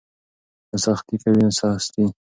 نه سختي کوئ نه سستي.